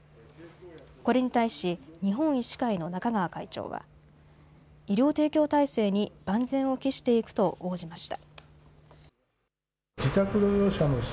これに対し日本医師会の中川会長は医療提供体制に万全を期していくと応じました。